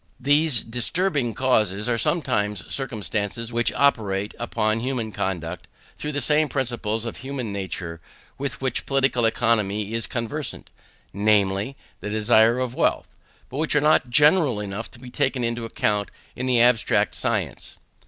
These disturbing causes are sometimes circumstances which operate upon human conduct through the same principle of human nature with which Political Economy is conversant, namely, the desire of wealth, but which are not general enough to be taken into account in the abstract science.